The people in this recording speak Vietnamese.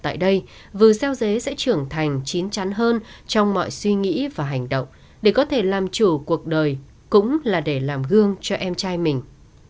tại đây vừa gieo dế sẽ trưởng thành chín chắn hơn trong mọi suy nghĩ và hành động để có thể làm chủ cuộc đời cũng là để làm gương cho em trai mình